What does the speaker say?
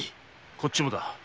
こっちもだ。